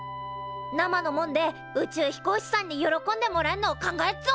生のもんで宇宙飛行士さんに喜んでもらえるのを考えっぞ。